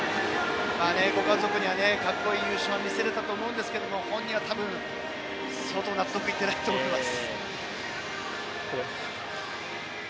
ご家族には格好いい優勝を見せられたと思いますけど本人は相当納得いっていないと思います。